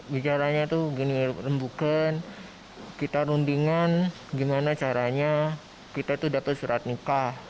bicaranya tuh gini rumbukin kita rundingan gimana caranya kita tuh dapet syarat nikah